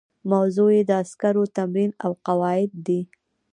موضوع یې د عسکرو تمرین او قواعد دي.